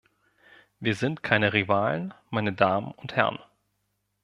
Wir sind keine Rivalen, meine Damen und Herren.